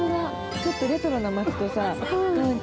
ちょっとレトロな町とさ、なんか。